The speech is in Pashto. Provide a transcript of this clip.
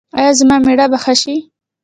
ایا زما میړه به ښه شي؟